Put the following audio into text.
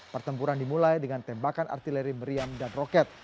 pertempuran dimulai dengan tembakan artileri meriam dan roket